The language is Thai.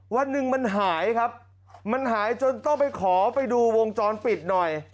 วันหนึ่งมันหายจนต้องขอไปดูวงจรปิดหน่อย